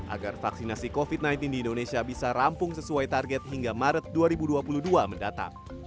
agar vaksinasi covid sembilan belas di indonesia bisa rampung sesuai target hingga maret dua ribu dua puluh dua mendatang